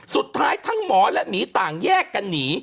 สุดท้ายทั้งหมอและหมีต่างแยกกันหนี